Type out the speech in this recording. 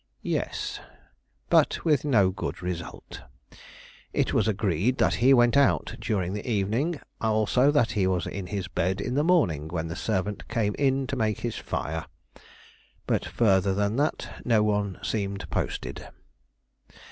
"Yes; but with no good result. It was agreed he went out during the evening; also that he was in his bed in the morning when the servant came in to make his fire; but further than this no one seemed posted."